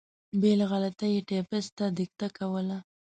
بې له غلطۍ یې ټایپېسټ ته دیکته کول.